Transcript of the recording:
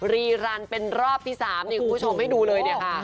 รีรันเป็นรอบที่๓นี่คุณผู้ชมให้ดูเลยเนี่ยค่ะ